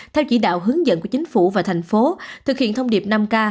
theo chỉ đạo hướng dẫn của chính phủ và thành phố thực hiện thông điệp năm k